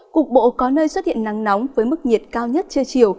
cục bộ có nơi xuất hiện nắng nóng với mức nhiệt cao nhất trưa chiều